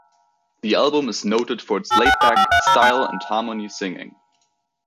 The album is noted for its laid-back style and harmony singing.